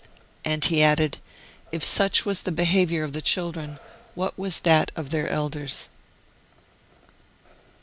And he added: "If such was the behaviour of the children, what was that of their elders?"